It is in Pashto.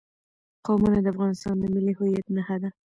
قومونه د افغانستان د ملي هویت نښه ده.